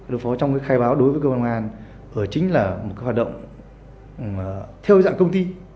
đồng phó trong cái khai báo đối với cơ quan an chính là một cái hoạt động theo dạng công ty